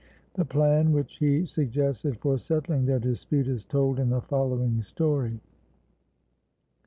The plan which he suggested for settling their dispute is told in the following story.